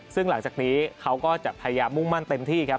ซึ่งหลังจากนี้เขาก็จะพยายามมุ่งมั่นเต็มที่ครับ